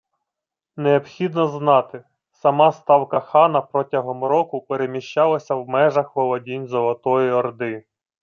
Необхідно знати – сама ставка хана протягом року переміщалася в межах володінь Золотої Орди